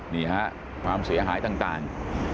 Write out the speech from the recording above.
นี่ฮะความเสียหายต่าง